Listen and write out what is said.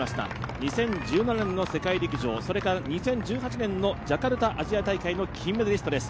２０１７年の世界陸上、２０１８年のジャカルタアジア大会の金メダリストです。